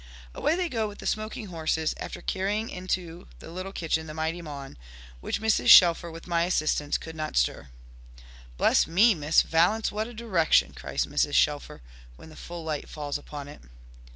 Away they go with the smoking horses, after carrying into the little kitchen the mighty maun, which Mrs. Shelfer, with my assistance, could not stir. "Bless me, Miss Valence, what a direction!" cries Mrs. Shelfer, when the full light falls upon it.